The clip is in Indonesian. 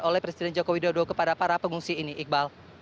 oleh presiden joko widodo kepada para pengungsi ini iqbal